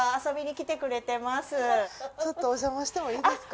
ちょっとおじゃましてもいいですか？